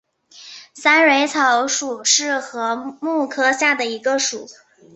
三蕊草属是禾本科下的一个属。